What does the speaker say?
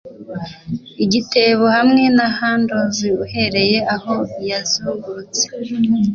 Igitebo hamwe na handles uhereye aho yazungurutse